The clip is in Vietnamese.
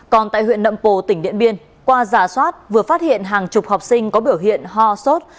còn tại huyện nậm pồ tỉnh điện biên qua giả soát vừa phát hiện hàng chục học sinh có biểu hiện ho sốt